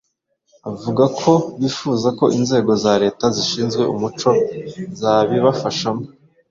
Avuga ko bifuza ko inzego za Leta zishinzwe umuco zabibafashamo,